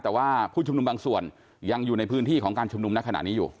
แต่ว่าผู้ชุมนุมบางส่วนยังอยู่ในพื้นที่ของการชุมนุมในขณะนี้อยู่